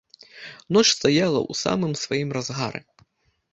Ноч стаяла ў самым сваім разгары.